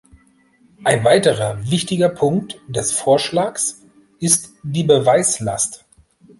Ein weiterer wichtiger Punkt des Vorschlags ist die Beweislast.